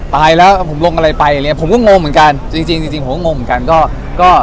ตายแล้วผมลงอะไรไปอย่างเงี้ผมก็งงเหมือนกันจริงจริงผมก็งงเหมือนกันก็ก็